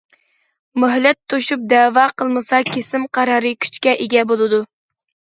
مۆھلەت توشۇپ دەۋا قىلمىسا كېسىم قارارى كۈچكە ئىگە بولىدۇ.